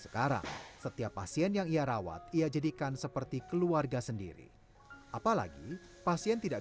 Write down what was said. sekarang setiap pasien yang ia rawat ia jadikan seperti keluarga sendiri apalagi pasien tidak